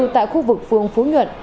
tại khu vực phường phú nhuận